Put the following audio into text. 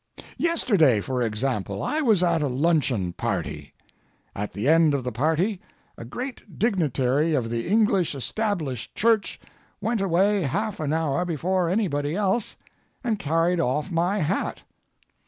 Yesterday, for example, I was at a luncheon party. At the end of the party a great dignitary of the English Established Church went away half an hour before anybody else and carried off my hat.